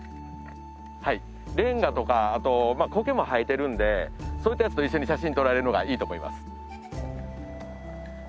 レンガとかあとコケも生えてるんでそういったやつと一緒に写真撮られるのがいいと思います。